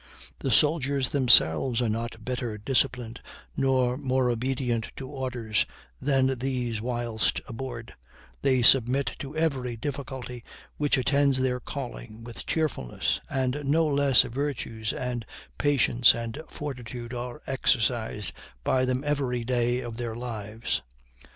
The soldiers themselves are not better disciplined nor more obedient to orders than these whilst aboard; they submit to every difficulty which attends their calling with cheerfulness, and no less virtues and patience and fortitude are exercised by them every day of their lives.